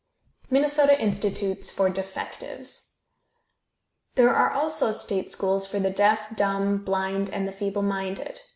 MINNESOTA INSTITUTES FOR DEFECTIVES. There are also state schools for the deaf, dumb, blind, and the feeble minded.